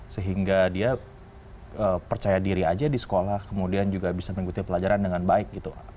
sehingga dia percaya diri aja di sekolah kemudian juga bisa mengikuti pelajaran dengan baik gitu